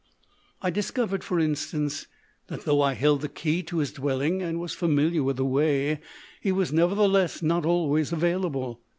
I discovered, for instance, that though I held the key to his dwelling, and was familiar with the way, he was nevertheless not always available.